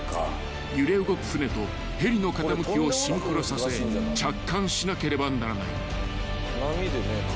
［揺れ動く艦とヘリの傾きをシンクロさせ着艦しなければならない］